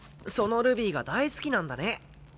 そのルビーが大好きなんだね。